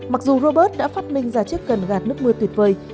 mặc dù robert đã phát minh ra chiếc cần gạt nước mưa tuyệt vời